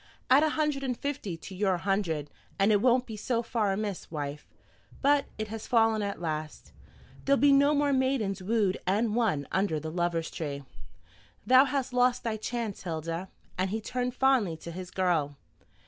Add a hundred and fifty to your hundred, and it won't be so far amiss, wife. But it has fallen at last. There'll be no more maidens wooed and won under the Lovers' Tree. Thou hast lost thy chance, Hilda." And he turned fondly to his girl.